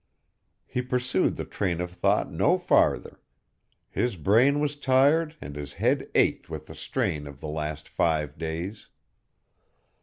He pursued the train of thought no farther. His brain was tired and his head ached with the strain of the last five days.